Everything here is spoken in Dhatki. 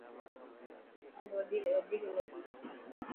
کنڊ وڌيڪ هلي تي.